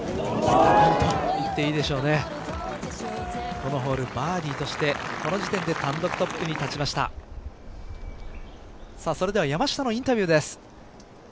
このホール、バーディーとしてこの時点で単独トップに立ちましたそれでは山下のインタビューです。